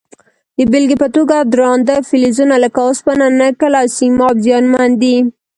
د بیلګې په توګه درانده فلزونه لکه وسپنه، نکل او سیماب زیانمن دي.